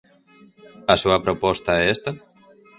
¿A súa proposta é esta?